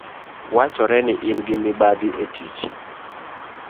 Wachore ni ingi mibadhi etich